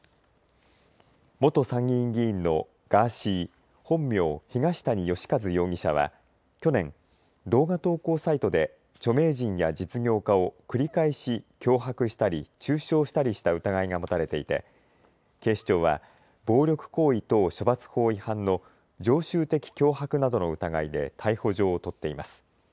元参議院議員のガーシー、本名、東谷義和容疑者は去年、動画投稿サイトで著名人や実業家を繰り返し脅迫したり中傷したりした疑いが持たれていて警視庁は暴力行為等処罰法違反の常習的脅迫などの疑いで逮捕状を取っています。